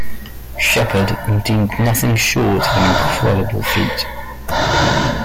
Schepperd, and deemed "nothing short of an incredible feat".